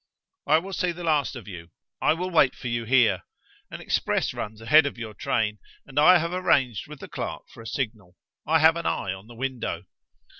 "I will see the last of you. I will wait for you here. An express runs ahead of your train, and I have arranged with the clerk for a signal; I have an eye on the window."